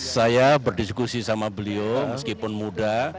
saya berdiskusi sama beliau meskipun muda